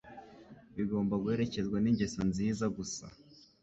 bigomba guherekezwa ningeso nziza gusa